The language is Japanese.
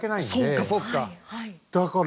そうかそうか。